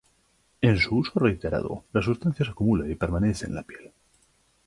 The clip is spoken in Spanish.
En su uso reiterado, la sustancia se acumula y permanece en la piel.